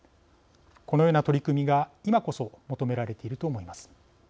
このような取り組みが今こそ求められていると思います。